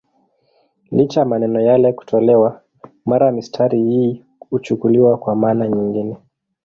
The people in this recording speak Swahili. Licha ya maneno yale kutolewa, mara mistari hii huchukuliwa kwa maana nyingine.